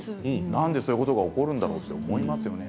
なんでそんなことが起こるんだろうと思いますよね。